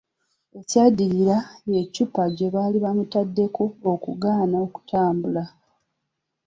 Ekyaddirira y’eccupa gye baali bamutaddeko okugaana okutambula.